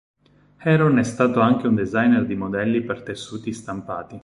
Heron è stato anche un designer di modelli per tessuti stampati.